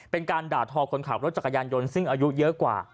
เป็นการด่าทอคนขับรถจักรยานยนต์ซึ่งอายุเยอะกว่า